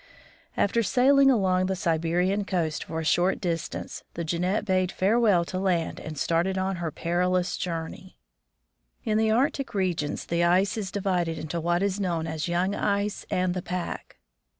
After sailing along the Siberian coast for a short dis tance, the Jeannette bade farewell to land and started on her perilous journey. In the Arctic regions the ice is divided into what is known as young ice and the pack.